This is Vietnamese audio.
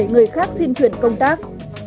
một mươi bảy người khác xin chuyển công tác